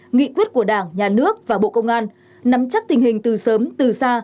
nghị quyết của đảng nhà nước và bộ công an nắm chắc tình hình từ sớm từ xa